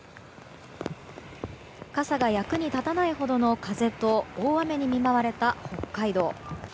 傘が役に立たないほどの風と大雨に見舞われた北海道。